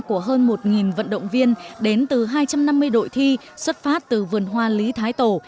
của hơn một vận động viên đến từ hai trăm năm mươi đội thi xuất phát từ vườn hoa lý thái tổ